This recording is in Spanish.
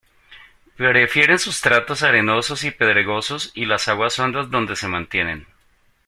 Prefieren sustratos arenosos y pedregosos y las aguas hondas donde se mantienen.